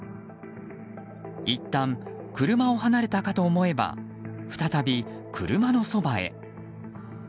いったん、車を離れたかと思えば再び車のそばへ。